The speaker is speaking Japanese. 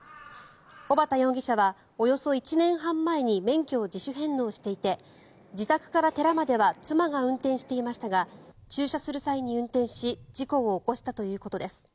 小畠容疑者はおよそ１年半前に免許を自主返納していて自宅から寺までは妻が運転していましたが駐車する際に運転し事故を起こしたということです。